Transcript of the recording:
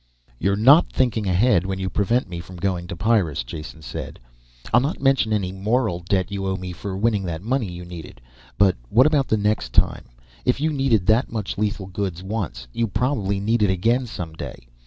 "You're not thinking ahead when you prevent me from going to Pyrrus," Jason said. "I'll not mention any moral debt you owe me for winning that money you needed. But what about the next time? If you needed that much lethal goods once, you'll probably need it again some day.